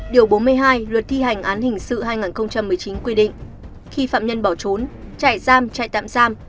điều bốn mươi hai luật thi hành án hình sự hai nghìn một mươi chín quy định khi phạm nhân bỏ trốn chạy giam chạy tạm giam